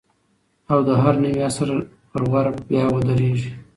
او د هر نوي عصر پر ور بیا ودرېږي